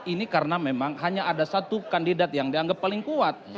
ini karena memang hanya ada satu kandidat yang dianggap paling kuat